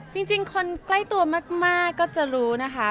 จริงคนใกล้ตัวมากก็จะรู้นะคะ